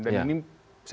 dari tahun ke depan